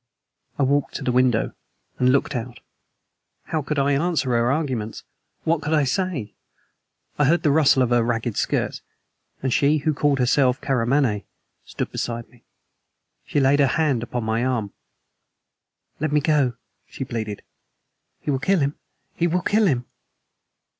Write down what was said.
I walked to the window and looked out. How could I answer her arguments? What could I say? I heard the rustle of her ragged skirts, and she who called herself Karamaneh stood beside me. She laid her hand upon my arm. "Let me go," she pleaded. "He will kill him! He will kill him!"